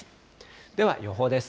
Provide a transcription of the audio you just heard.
では予報です。